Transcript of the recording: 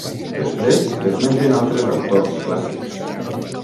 Després l'esmenten altres autors clàssics.